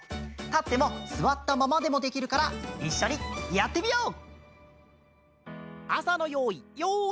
たってもすわったままでもできるからいっしょにやってみよう！